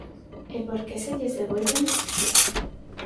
¿E por que se lles devolven?